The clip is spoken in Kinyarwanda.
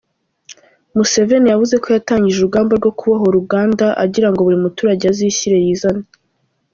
Museveni yavuze ko yatangije urugamba rwo kubohora Uganda agira ngo buri muturage azishyire yizane.